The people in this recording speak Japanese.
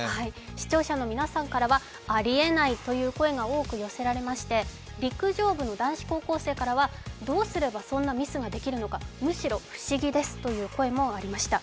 視聴者の皆さんからはありえないという声が多く寄せられまして陸上部の男子高校生からはどうすればそんなミスができるのかむしろ不思議ですという声もありました。